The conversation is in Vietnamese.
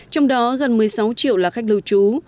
trong đó gần một mươi sáu triệu là khách lưu trú